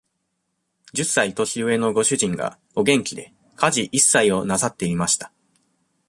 十歳年上のご主人が、お元気で、家事一切をなさっていました。